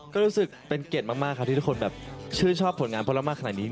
ก็รู้สึกเป็นเกียรติมากครับที่ทุกคนแบบชื่นชอบผลงานพวกเรามากขนาดนี้